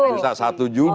bisa satu juga